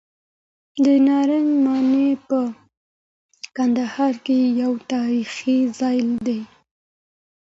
د نارنج ماڼۍ په کندهار کې یو تاریخي ځای دی.